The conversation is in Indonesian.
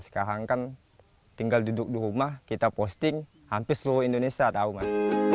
sekarang kan tinggal duduk di rumah kita posting hampir seluruh indonesia tahu mas